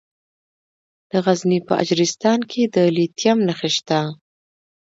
د غزني په اجرستان کې د لیتیم نښې شته.